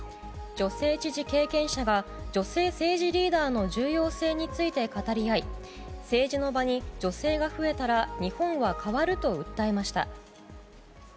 女性知事経験者が女性政治リーダーの重要性について語り合い政治の場に女性が増えたら日本は変わると訴えました。